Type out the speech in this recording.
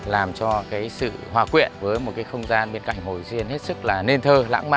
làm cho cái sự hòa quyện với một cái không gian bên cạnh hồ vị xuyên hết sức là nên thơ lãng mạn